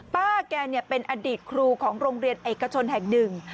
ป้าแกเนี่ยเป็นอดีตครูของโรงเรียนเอกชนแห่ง๑